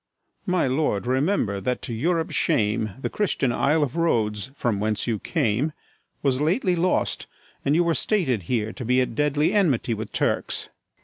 My lord, remember that, to Europe's shame, The Christian isle of Rhodes, from whence you came, Was lately lost, and you were stated here To be at deadly enmity with Turks.